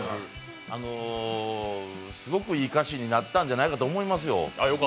すごくいい歌詞になったんじゃないかと思いますよ。